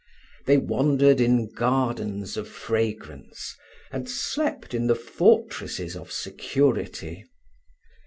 They wandered in gardens of fragrance, and slept in the fortresses of security.